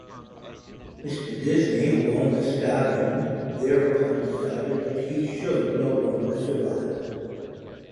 Mr Disney, who owned the stallion, thereupon decided that he should no longer survive.